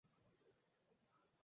বাবাকে নিয়ে এসো।